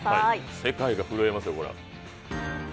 世界が震えますよ、これは。